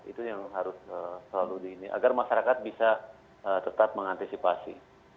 itu yang harus selalu di ini agar masyarakat bisa tetap mengantisipasi